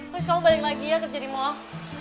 terus kamu balik lagi ya kerja di mall